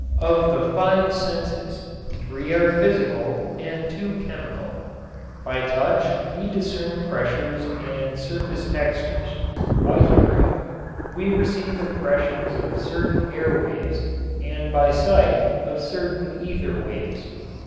Of the five senses, three are physical and two chemical. By touch we discern pressures and surface textures. By hearing we receive impressions of certain air waves and by sight of certain ether waves.